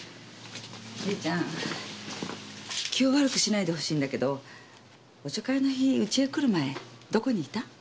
理恵ちゃん気を悪くしないでほしいんだけどお茶会の日うちへ来る前どこにいた？